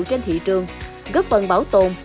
trên thị trường góp phần bảo tồn